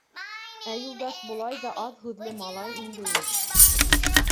Ә Юлдаш былай ҙа аҙ һүҙле малай инде ул.